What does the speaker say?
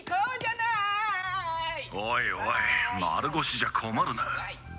おいおい丸腰じゃ困るな。